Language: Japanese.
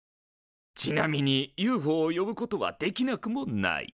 ちなみにＵＦＯを呼ぶことはできなくもない。